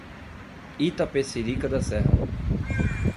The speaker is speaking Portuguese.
Itapecerica da Serra